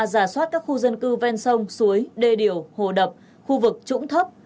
giả soát các khu dân cư ven sông suối đê điều hồ đập khu vực trũng thấp